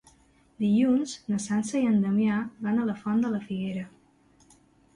Dilluns na Sança i en Damià van a la Font de la Figuera.